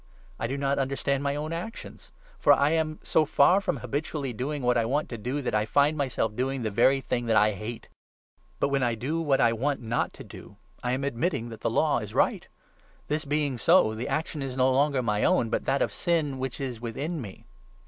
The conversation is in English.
I do not understand my own actions. For I am so far from 15 habitually doing what I want to do, that I find myself doing the very thing that I hate. But when I do what I want not 16 to do, I am admitting that the Law is right. This 17 being so, the action is no longer my own, but that of Sin which is within me.